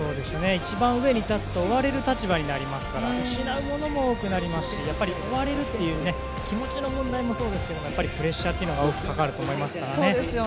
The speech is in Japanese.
一番上に立つと追われる立場になりますから失うものも多くなりますし追われるという気持ちの問題もそうですけれどもプレッシャーが大きくかかると思いますからね。